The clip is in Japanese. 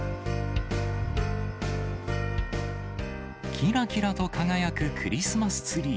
きらきらと輝くクリスマスツリー。